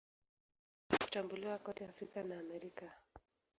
Amepata kutambuliwa kote Afrika na Amerika.